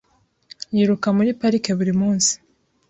Yiruka muri parike buri munsi.